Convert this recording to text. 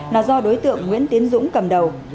là do đối tượng nguyễn tiến dũng cầm đầu